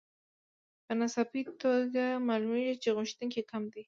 په ناڅاپي توګه معلومېږي چې غوښتونکي کم دي